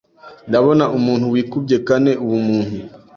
Ndabona Umuntu wikubye kane Ubumuntu